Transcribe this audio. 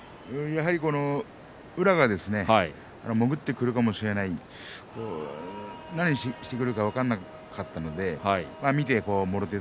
やはり宇良が潜ってくるかもしれないし何してくるか分からないとあったのでもろ手